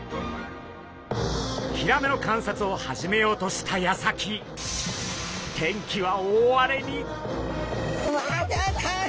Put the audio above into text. ヒラメの観察を始めようとしたやさき天気はわたた。